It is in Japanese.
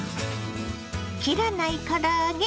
切らないから揚げ